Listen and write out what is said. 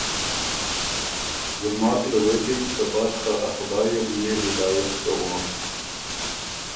خاجان ال غوېکِن که ”بس خه ا خدایٛ ال يې هدایت کوون۔